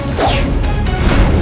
aku akan menangkanmu